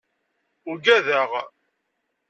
Uggadeɣ.